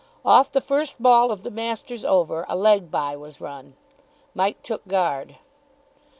Off the first ball of the master's over a leg bye was run. Mike took guard.